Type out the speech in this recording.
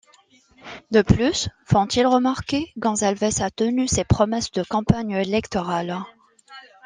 De plus, font-ils remarquer, Gonsalves a tenu ses promesses de campagne électorale.